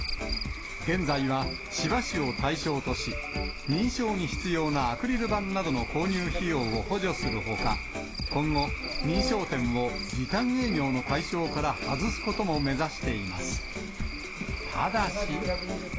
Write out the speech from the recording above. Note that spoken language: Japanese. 現在は千葉市を対象とし、認証に必要なアクリル板などの購入費用を補助するほか、今後、認証店を時短営業の対象から外すことも目指しています。